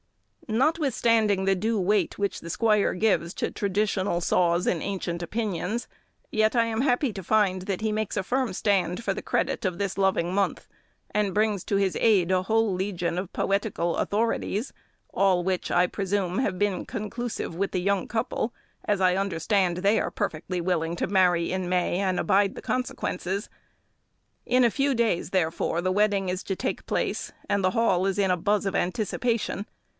Notwithstanding the due weight which the squire gives to traditional saws and ancient opinions, yet I am happy to find that he makes a firm stand for the credit of this loving month, and brings to his aid a whole legion of poetical authorities; all which, I presume, have been conclusive with the young couple, as I understand they are perfectly willing to marry in May, and abide the consequences. In a few days, therefore, the wedding is to take place, and the Hall is in a buzz of anticipation.